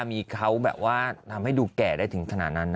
มีเขาแบบว่าทำให้ดูแก่ได้ถึงขนาดนั้น